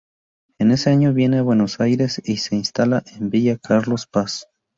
En ese año viene de Buenos Aires y se instala en Villa Carlos Paz.